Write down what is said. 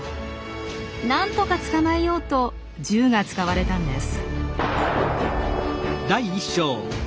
なんとか捕まえようと銃が使われたんです。